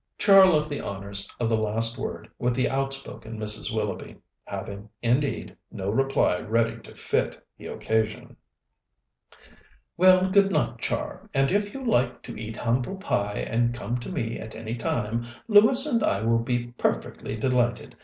Char left the honours of the last word with the outspoken Mrs. Willoughby, having, indeed, no reply ready to fit the occasion. "Well, good night, Char, and if you like to eat humble pie and come to me at any time, Lewis and I will be perfectly delighted.